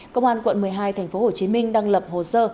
công an quận một mươi hai tp hcm đang lập hồ sơ